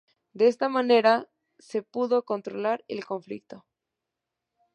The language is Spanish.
De esta manera, se pudo controlar el conflicto.